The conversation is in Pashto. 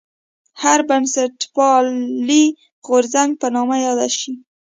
هر بنسټپالی غورځنګ په نامه یاد شي.